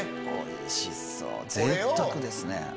おいしそう贅沢ですね。